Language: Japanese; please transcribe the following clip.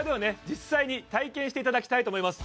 実際に体験していただきたいと思います